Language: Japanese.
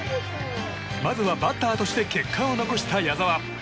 まずはバッターとして結果を残した矢澤。